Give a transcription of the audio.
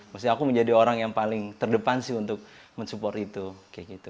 maksudnya aku menjadi orang yang paling terdepan sih untuk mensupport itu kayak gitu